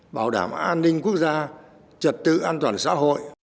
bảo đảm an ninh quốc gia trật tự an toàn xã hội